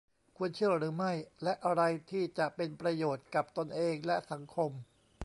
ควรเชื่อหรือไม่ และอะไรที่จะเป็นประโยชน์กับตนเอง และ สังคม